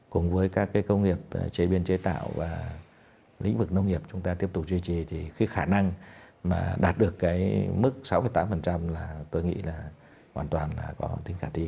cùng với các cái công nghiệp chế biến chế tạo và lĩnh vực nông nghiệp chúng ta tiếp tục duy trì thì cái khả năng mà đạt được cái mức sáu tám là tôi nghĩ là hoàn toàn là có tính khả thi